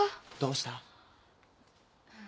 どうした？